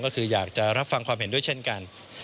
ก็คืออยากจะรับฟังความเห็นด้วยเช่นกัน